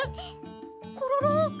コロロ！？